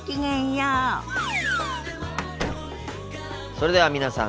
それでは皆さん